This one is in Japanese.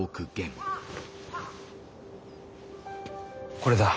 これだ。